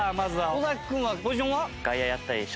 尾崎君はポジションは？